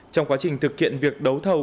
trong quá trình thực hiện việc đấu thầu